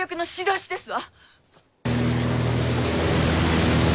おしですわ。